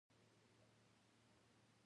پیرودونکی د نرخ په اړه مشوره وغوښته.